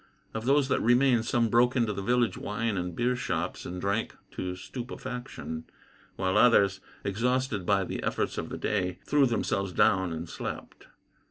Of those that remained, some broke into the village wine and beer shops and drank to stupefaction; while others, exhausted by the efforts of the day, threw themselves down and slept.